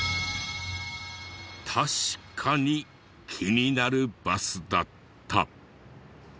確かに気になるバスだった。